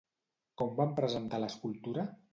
Com van presentar l'escultura?